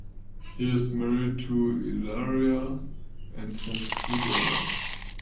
He is married to Ilaria and has two daughters.